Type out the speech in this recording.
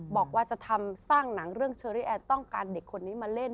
บอกว่าจะทำสร้างหนังเรื่องเชอรี่แอนต้องการเด็กคนนี้มาเล่น